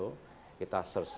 nah kita proses di situ